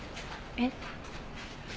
えっ？